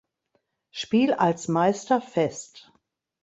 Spiel als Meister fest.